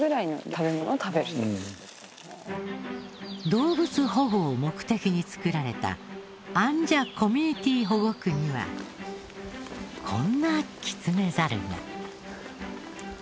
動物保護を目的に作られたアンジャコミュニティ保護区にはこんなキツネザルが。